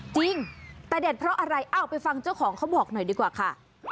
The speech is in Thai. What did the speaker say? จริงแต่เด็ดเพราะอะไรเอ้าไปฟังเจ้าของเขาบอกหน่อยดีกว่าค่ะ